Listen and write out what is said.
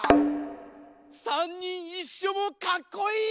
さんにんいっしょもかっこいい！